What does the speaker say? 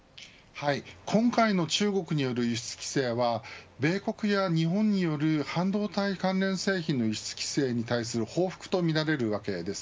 今回の中国による輸出規制は米国や日本による半導体関連製品の輸出規制に対する報復とみられるわけです。